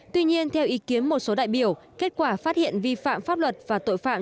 tuy nhiên theo ý kiến một số đại biểu kết quả phát hiện vi phạm pháp luật và tội phạm